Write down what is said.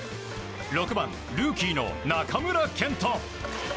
６番、ルーキーの中村健人。